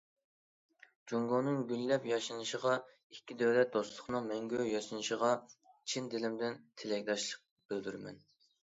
جۇڭگونىڭ گۈللەپ ياشنىشىغا، ئىككى دۆلەت دوستلۇقىنىڭ مەڭگۈ ياشنىشىغا چىن دىلىمدىن تىلەكداشلىق بىلدۈرىمەن.